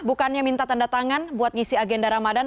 bukannya minta tanda tangan buat ngisi agenda ramadhan